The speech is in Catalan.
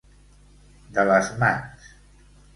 De les mans.